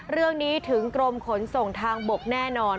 เรื่องนี้ถึงกรมขนส่งทางบกแน่นอน